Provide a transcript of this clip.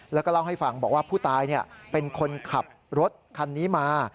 แล้วก็เล่าให้ฟังบอกว่าผู้ตายเป็นคนขับรถคันนี้มา